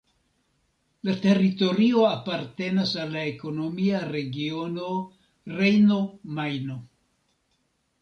La teritorio apartenas al la ekonomia regiono Rejno-Majno.